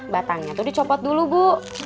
batangnya tuh dicopot dulu bu